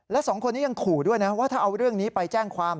และสองคนนี้ยังขู่ด้วยนะว่าถ้าเอาเรื่องนี้ไปแจ้งความ